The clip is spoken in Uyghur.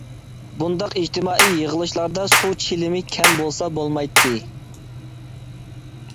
بۇنداق ئىجتىمائىي يىغىلىشلاردا سۇ چىلىمى كەم بولسا بولمايتتى.